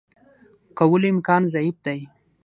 کولو امکان ضعیف دی.